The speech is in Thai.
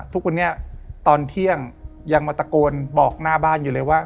ทุกวันนี้ตอนเที่ยงยังมาตะโกนบอกหน้าบ้านอยู่เลยว่า